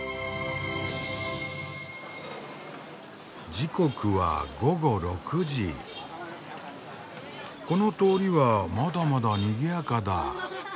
時刻はこの通りはまだまだにぎやかだ。